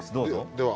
では。